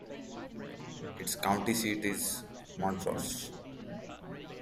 Its county seat is Montross.